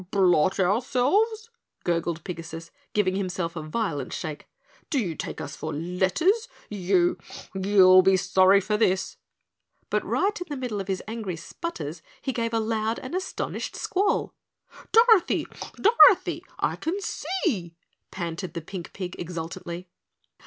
"Bl blot ourselves?" gurgled Pigasus, giving himself a violent shake. "Do you take us for letters? You you'll be sorry for this!" But right in the middle of his angry sputters he gave a loud and astonished squall. "Dorothy, Dorothy, I can see!" panted the pink pig exultantly.